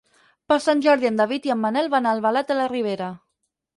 Per Sant Jordi en David i en Manel van a Albalat de la Ribera.